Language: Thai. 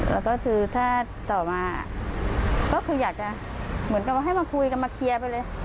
แล้วก็คือถ้าต่อมาก็คืออยากจะเหมือนกับว่าให้มาคุยกันมาเคลียร์ไปเลย